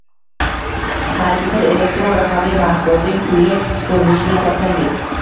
Qaysidir elektron-raqamli mahsulotning pulli ko’rinishini topsangiz